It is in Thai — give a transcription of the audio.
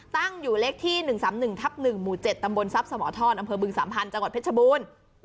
ตั้งอยู่เลขที่๑๓๑ทับ๑หมู่๗ตำบลทรัพย์สมทรอำเภอบึงสามพันธ์จังหวัดเพชรบูรณ์